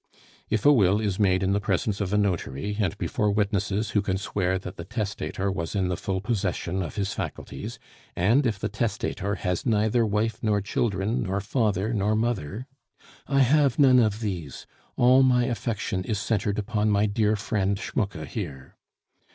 "If a will is made in the presence of a notary, and before witnesses who can swear that the testator was in the full possession of his faculties; and if the testator has neither wife nor children, nor father nor mother " "I have none of these; all my affection is centred upon my dear friend Schmucke here."